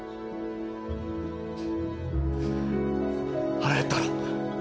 腹減ったろ。